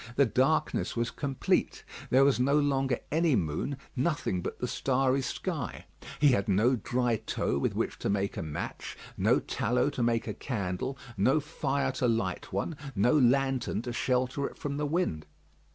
The darkness was complete. There was no longer any moon; nothing but the starry sky. He had no dry tow with which to make a match, no tallow to make a candle, no fire to light one, no lantern to shelter it from the wind.